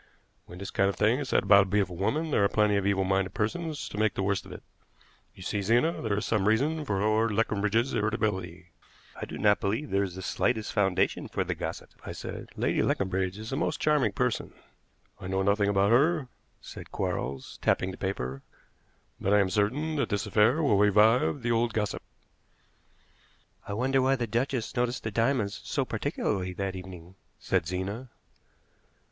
When this kind of thing is said about a beautiful woman there are plenty of evil minded persons to make the worst of it. You see, Zena, there is some reason for Lord Leconbridge's irritability." "I do not believe there was the slightest foundation for the gossip," I said. "Lady Leconbridge is a most charming person." "I know nothing about her," said Quarles, tapping the paper; "but I am certain that this affair will revive the old gossip." "I wonder why the duchess noticed the diamonds so particularly that evening," said Zena.